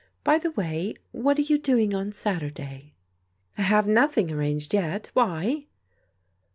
By the way, what are you doing on Saturday ?"" I have nothing arranged, yet. Why?"